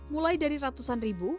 mulai dari ratusan ribu